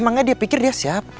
emangnya dia pikir dia siapa